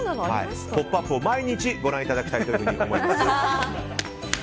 「ポップＵＰ！」を毎日ご覧いただきたいと思います。